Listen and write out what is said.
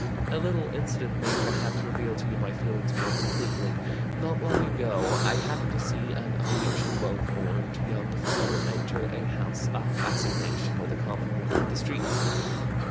A little incident may, perhaps, reveal to you my feelings more completely. Not long ago I happened to see an unusually well formed young fellow enter a house of assignation with a common woman of the streets.